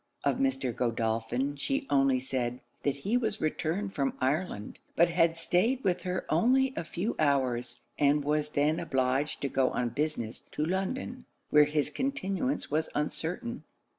Of Mr. Godolphin she only said, that he was returned from Ireland, but had staid with her only a few hours, and was then obliged to go on business to London, where his continuance was uncertain.